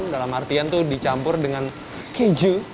dalam artian itu dicampur dengan keju